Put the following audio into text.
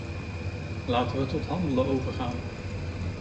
Laten we tot handelen overgaan.